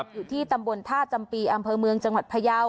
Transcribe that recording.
อยู่ที่ตำบลท่าจำปีอำเภอเมืองจังหวัดพยาว